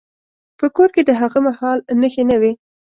په کور کې د هغه مهال نښې نه وې.